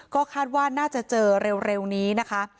ก็คาดว่าน่าจะเจอเร็วนี้นะคะ